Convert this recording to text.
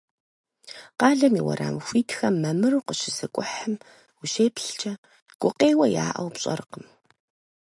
Къалэм и уэрам хуитхэм мамыру къыщызыкӏухьэм ущеплъкӏэ, гукъеуэ яӏэу пщӏэркъым.